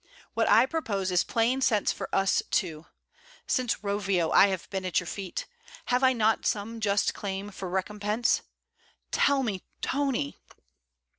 What I propose is plain sense for us two. Since Rovio, I have been at your feet. Have I not some just claim for recompense? Tell me! Tony!'